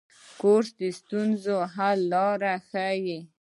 کورس د ستونزو حل لاره ښيي.